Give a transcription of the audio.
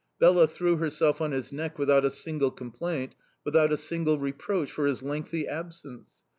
Bela threw herself on his neck without a single complaint, without a single reproach for his lengthy absence!...